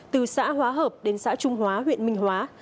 từ xã hóa hợp đến xã trung hóa huyện minh hóa